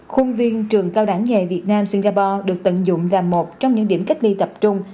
khuôn viên trường cao đẳng nghề việt nam singapore được tận dụng là một trong những điểm cách ly tập trung